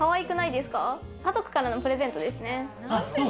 家族からのプレゼントですね。